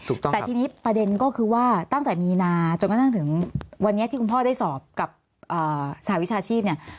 แต่ทีนี้ประเด็นก็คือว่าตั้งแต่มีนาจนกระทั่งถึงวันนี้ที่คุณพ่อได้สอบกับสหวิชาชีพเนี่ย